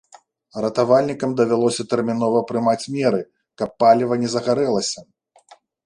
Ратавальнікам давялося тэрмінова прымаць меры, каб паліва не загарэлася.